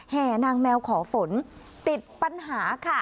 แห่นางแมวขอฝนติดปัญหาค่ะ